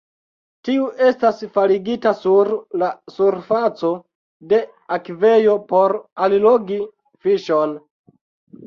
Tiu estas faligita sur la surfaco de akvejo por allogi fiŝon.